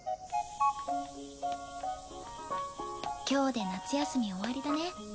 今日で夏休み終わりだね。